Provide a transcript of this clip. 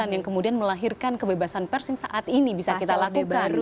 yang kemudian melahirkan kebebasan pers yang saat ini bisa kita lakukan